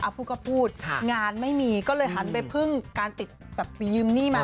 พูดก็พูดงานไม่มีก็เลยหันไปพึ่งการติดแบบไปยืมหนี้มา